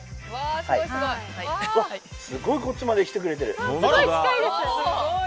すごいこっちまで来てくれてる！